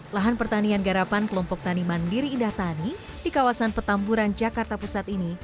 lahan pertanian garapan kelompok tani mandiri indah tani di kawasan petamburan jakarta pusat ini